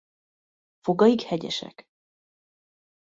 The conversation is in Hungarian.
Fogaik hegyesek.